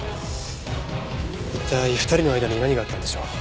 一体２人の間に何があったんでしょう？